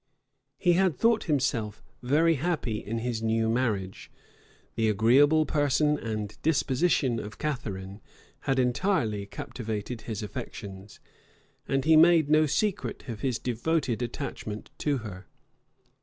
He had thought himself very happy in his new marriage: the agreeable person and disposition of Catharine had entirely captivated his affections; and he made no secret of his devoted attachment to her.